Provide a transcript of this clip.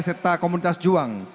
serta komunitas juang